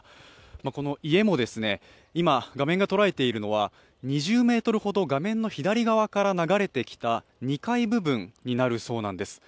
この家も今、画面が捉えているのは２０ｍほど画面の左側から流れてきた２階部分になるそうです。